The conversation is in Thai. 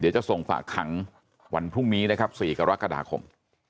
จะส่งฝากขังวันพรุ่งนี้นะครับ๔กรกฎาคม